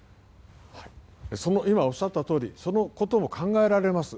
今おっしゃったとおりそのことも考えられます。